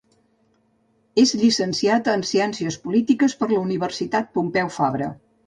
És llicenciat en Ciències Polítiques per la Universitat Pompeu Fabra.